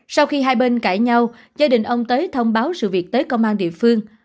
sau khi hai bên cãi nhau gia đình ông tới thông báo sự việc tới công an địa phương